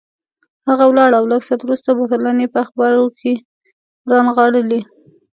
هغه ولاړ او لږ ساعت وروسته بوتلان یې په اخبارو کې رانغاړلي.